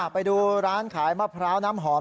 ไปดูร้านขายมะพร้าวน้ำหอม